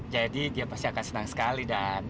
jadi dia pasti akan senang sekali dan